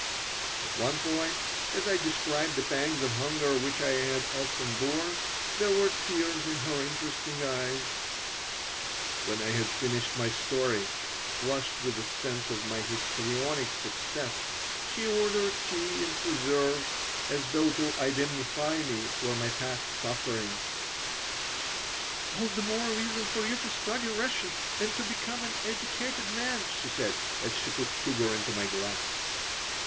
At one point, as I described the pangs of hunger which I had often borne, there were tears in her interesting eyes When I had finished my story, flushed with a sense of my histrionic success, she ordered tea and preserves, as though to indemnify me for my past sufferings "All the more reason for you to study Russian and to become an educated man," she said, as she put sugar into my glass.